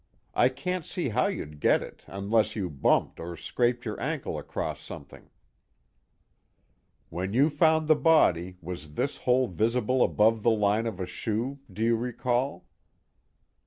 I can't see how you'd get it unless you bumped or scraped your ankle across something." "When you found the body, was this hole visible above the line of a shoe, do you recall?"